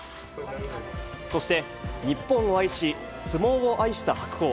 そして、日本を愛し、相撲を愛した白鵬。